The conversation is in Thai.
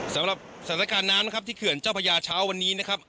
สำหรับสถานการณ์น้ำนะครับที่เขื่อนเจ้าพระยาเช้าวันนี้นะครับ